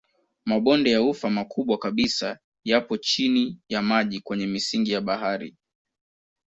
Mabonde ya ufa makubwa kabisa yapo chini ya maji kwenye misingi ya bahari.